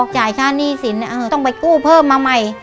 จ่ายค่าหนี้สินต้องไปกู้เพิ่มมาใหม่